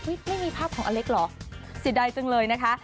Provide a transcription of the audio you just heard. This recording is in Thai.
อุ๊ยไม่มีภาพของอเล็กหรอสิดใดจังเลยนะคะ